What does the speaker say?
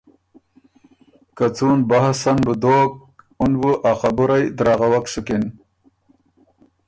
که څُون بحث ان بُو دوک اُن بُو ا خبُرئ دراغوک سُکِن